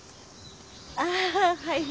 ああはい。